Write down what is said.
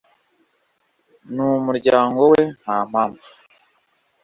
n umuryango we nta mpamvu